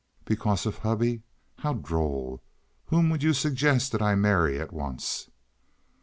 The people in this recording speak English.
"Because of hubby? How droll! Whom would you suggest that I marry at once?"